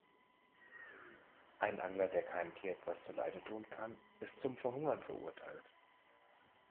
Ein Angler, der keinem Tier etwas zuleide tun kann, ist zum Verhungern verurteilt.